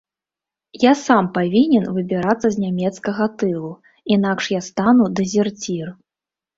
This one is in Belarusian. Я сам павінен выбірацца з нямецкага тылу, інакш я стану дэзерцір.